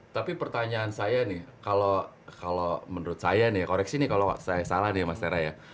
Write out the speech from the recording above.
tapi pertanyaan saya nih kalau menurut saya nih koreksi nih kalau saya salah nih mas tera ya